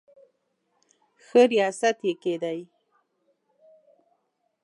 ښه ریاست یې کېدی.